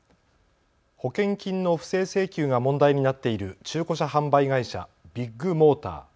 保険金の不正請求が問題になっている中古車販売会社、ビッグモーター。